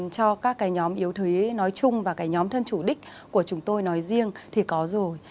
cho các cái nhóm yếu thuế nói chung và cái nhóm thân chủ đích của chúng tôi nói riêng thì có rồi